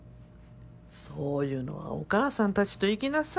そういうのはお母さんたちと行きなさい。